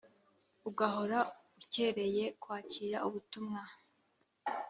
ugahora ukereye kwakira ubutumwa